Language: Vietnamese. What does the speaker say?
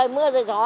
rời mưa rời gió